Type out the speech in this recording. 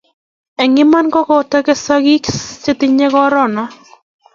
eng iman kokotesak chetinye korona